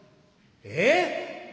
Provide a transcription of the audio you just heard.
「えっ！？